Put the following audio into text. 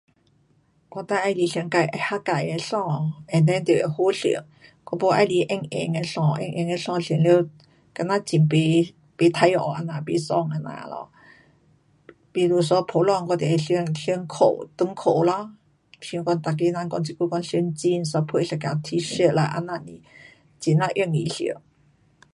我最喜欢穿自，会合自的衣，and then 得会好穿，我不喜欢紧紧的衣，紧紧的衣穿了，好像很不，不开心这样。不爽这样咯，比如讲普通我就会想穿裤，长裤咯，像讲每个人讲这久讲穿 jeans 咯陪一件 t-shirt 啦，这样很呐容易穿。